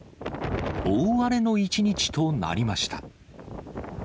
大荒れの一日となりました。